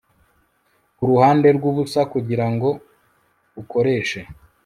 kuruhande rwubusa kugirango ukoreshe